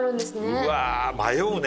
うわあ迷うね。